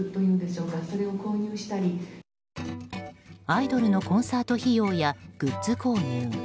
アイドルのコンサート費用やグッズ購入